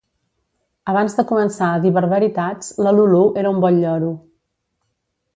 Abans de començar a dir barbaritats la Lulú era un bon lloro.